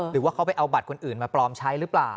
หรือว่าเขาไปเอาบัตรคนอื่นมาปลอมใช้หรือเปล่า